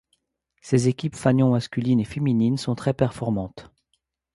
Ses équipes fanion masculine et féminine sont très performantes.